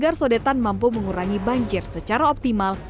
agar sodetan mampu mengurangi banjir secara optimal